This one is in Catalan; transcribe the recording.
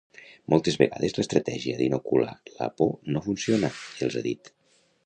“Moltes vegades l’estratègia d’inocular la por no funciona”, els ha dit.